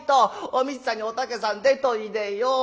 おみつさんにおたけさん出といでよ。